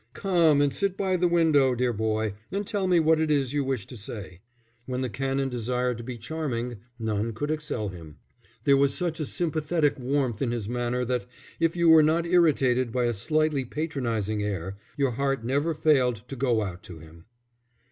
"Come and sit in the window, dear boy, and tell me what it is you wish to say." When the Canon desired to be charming, none could excel him. There was such a sympathetic warmth in his manner that, if you were not irritated by a slightly patronizing air, your heart never failed to go out to him.